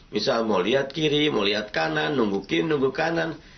misal mau lihat kiri mau lihat kanan nunggu kiri nunggu kanan